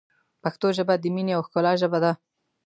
پښتو ژبه ، د مینې او ښکلا ژبه ده.